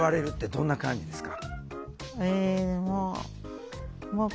どんな感じですか？